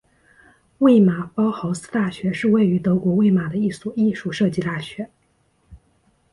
魏玛包豪斯大学是位于德国魏玛的一所艺术设计大学。